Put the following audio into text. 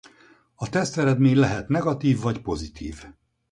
A teszteredmény lehet negatív vagy pozitív.